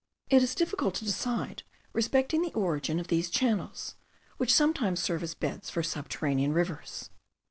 It is difficult to decide respecting the origin of these channels, which sometimes serve as beds for subterranean rivers.